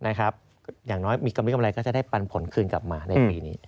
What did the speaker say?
อย่างน้อยมีกำมีกำไรก็จะได้ปันผลคืนกลับมาในปีนี้